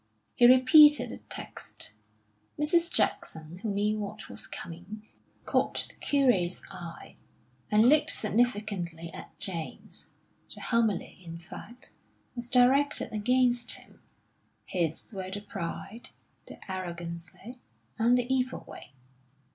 He repeated the text. Mrs. Jackson, who knew what was coming, caught the curate's eye, and looked significantly at James. The homily, in fact, was directed against him; his were the pride, the arrogancy, and the evil way.